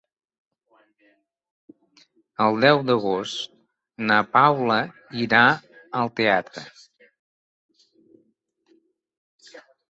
El deu d'agost na Paula irà al teatre.